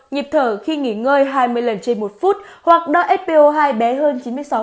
nhịp thở khi nghỉ ngơi hai mươi lần trên một phút hoặc đo sco hai bé hơn chín mươi sáu